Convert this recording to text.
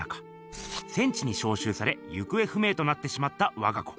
戦地にしょうしゅうされ行方不明となってしまったわが子。